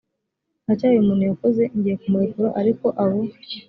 nta cyaha uyu muntu yakoze ngiye kumurekura ariko abo